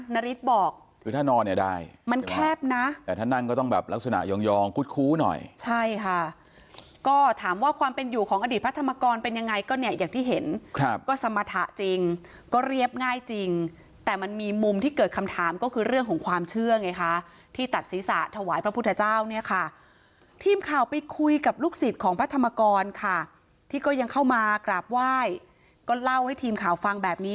นาริสบอกคือถ้านอนเนี่ยได้มันแคบนะแต่ถ้านั่งก็ต้องแบบลักษณะยองกุ๊ดคู้หน่อยใช่ค่ะก็ถามว่าความเป็นอยู่ของอดีตพระธรรมกรเป็นยังไงก็เนี่ยอย่างที่เห็นก็สมทะจริงก็เรียบง่ายจริงแต่มันมีมุมที่เกิดคำถามก็คือเรื่องของความเชื่อไงค่ะที่ตัดศีรษะถวายพระพุทธเจ้าเนี่ยค่ะทีมข่า